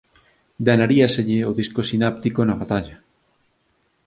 Danaríaselle o disco sináptico na batalla.